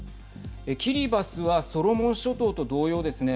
キリバスはソロモン諸島と同様ですね